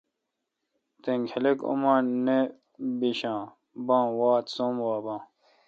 دینگ خلق اماں نہ بیش باں وات سم وا باں